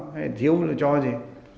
hay thiếu cho gì